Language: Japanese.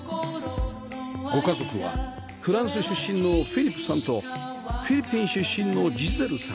ご家族はフランス出身のフィリップさんとフィリピン出身のジゼルさん